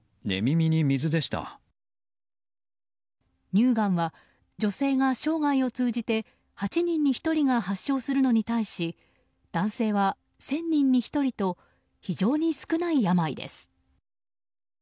乳がんは、女性が生涯を通じて８人に１人が発症するのに対し男性は１０００人に１人と非常に少ない病です。